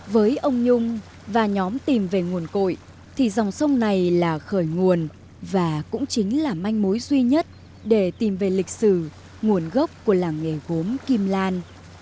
với ông nhung và nhóm tìm về nguồn cội thì dòng sông này là khởi nguồn và cũng chính là manh mối duy nhất để tìm về lịch sử nguồn gốc của làng nghề gốm kim lan